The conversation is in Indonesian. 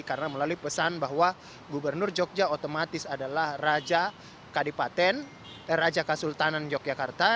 karena melalui pesan bahwa gubernur jogja otomatis adalah raja kadipaten raja kasultanan yogyakarta